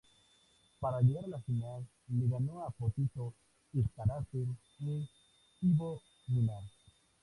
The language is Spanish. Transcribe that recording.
Para llegar a la final le ganó a Potito Starace e Ivo Minar.